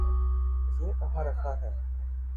یہ کہاں رکھا ہے؟